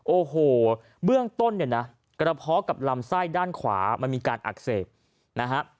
โอ้โหเบื้องต้นเนี่ยนะกระเพาะกับลำไส้ด้านขวามันมีการอักเสบนะฮะ